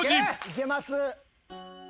いけます。